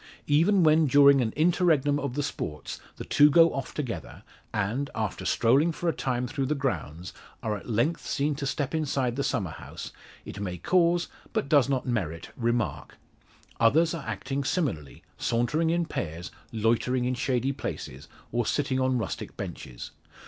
Even when during an interregnum of the sports the two go off together, and, after strolling for a time through the grounds, are at length seen to step inside the summer house, it may cause, but does not merit, remark. Others are acting similarly, sauntering in pairs, loitering in shady places, or sitting on rustic benches.